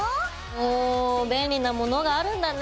お便利なものがあるんだね。